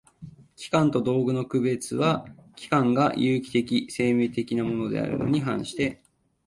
器官と道具との区別は、器官が有機的（生命的）なものであるに反して